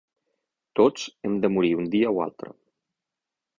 Tots hem de morir un dia o altre.